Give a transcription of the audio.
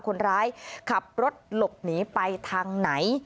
คนร้ายขับรถหลบหนีไปทางไหน